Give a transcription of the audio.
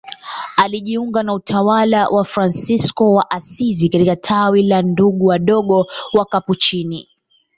Alijiunga na utawa wa Fransisko wa Asizi katika tawi la Ndugu Wadogo Wakapuchini.